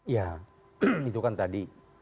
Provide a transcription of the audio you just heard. ya itu kan tadi